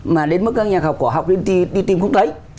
mà đến mức các nhà khảo cổ học đi tìm không thấy